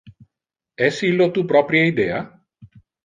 Es illo tu proprie idea?